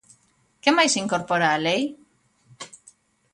¿Que máis incorpora a lei?